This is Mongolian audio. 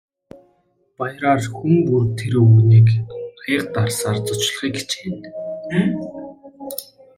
Баяраар хүн бүр тэр өвгөнийг аяга дарсаар зочлохыг хичээнэ.